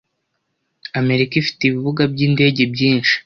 Amerika ifite ibibuga byindege byinshi